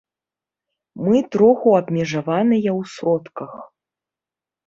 Мы троху абмежаваныя ў сродках.